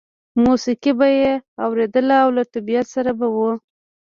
موسیقي به یې اورېدله او له طبیعت سره به و